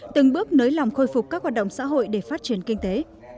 từng bước nới lỏng khôi phục các hoạt động xã hội để phát triển kinh tế